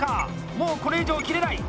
もうこれ以上切れない！